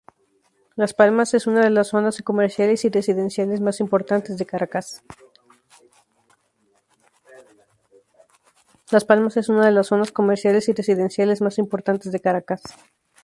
Las Palmas es una de las zonas comerciales y residenciales más importantes de Caracas.